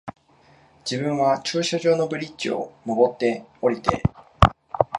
自分は停車場のブリッジを、上って、降りて、